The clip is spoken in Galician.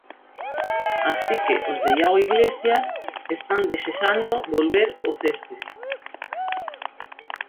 Así que os de Iago Iglesias están desexando volver ao céspede.